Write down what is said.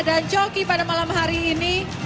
dan joki pada malam hari ini